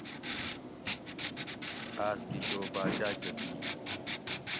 آۤس گھی چو باچاۤ کہ دی